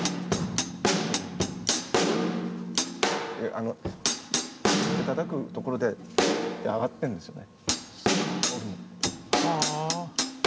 あのってたたくところで上がってんですよね。